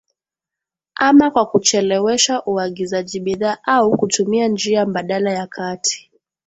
ama kwa kuchelewesha uagizaji bidhaa au kutumia njia mbadala ya kati